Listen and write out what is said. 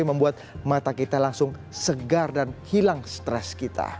yang membuat mata kita langsung segar dan hilang stres kita